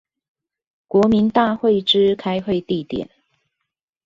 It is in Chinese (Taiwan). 國民大會之開會地點